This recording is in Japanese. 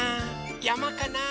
やまかな？